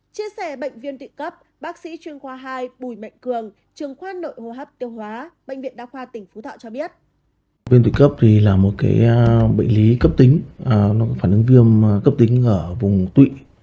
chia sẻ bệnh viện địa cấp bác sĩ chuyên khoa hai bùi mạnh cường trường khoa nội hô hấp tiêu hóa bệnh viện đa khoa tỉnh phú thọ cho biết